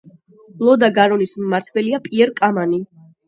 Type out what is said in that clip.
ლო და გარონის მმართველია პიერ კამანი.